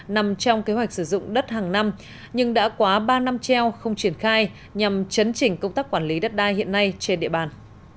nằm trong kế hoạch sử dụng đất hàng năm nhưng đã quá ba năm treo không triển khai nhằm chấn chỉnh công tác quản lý đất đai hiện nay trên địa bàn